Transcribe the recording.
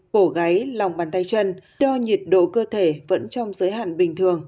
bổ gáy lòng bàn tay chân đo nhiệt độ cơ thể vẫn trong giới hạn bình thường